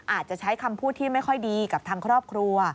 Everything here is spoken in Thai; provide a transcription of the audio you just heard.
อาจจะใช้คำพูดที่ไม่ค่อยดีกับทางครอบครัว